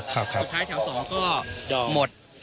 สุดท้ายแถว๒ก็หมด